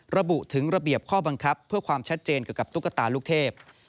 ระบุถึงระเบียบข้อบังคับเพื่อความชัดเจนเกี่ยวกับตุ๊กตาลูกเทพ